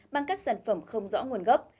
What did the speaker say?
bằng các sản phẩm không rõ nguồn gốc